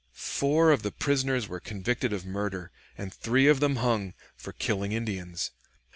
Four of the prisoners were convicted of murder, and three of them hung, for killing Indians.